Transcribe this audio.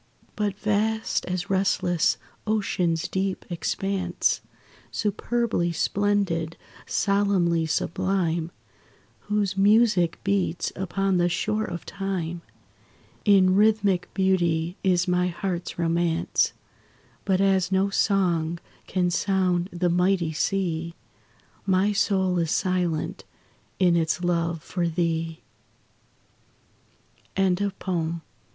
But vast as restless ocean's deep expanse, Superbly splendid, solemnly sublime, Whose music beats upon the shore of time In rhythmic beauty, is my heart's romance: But as no song can sound the mighty sea, My soul is silent in its love for thee. LILIES AND POPPIES.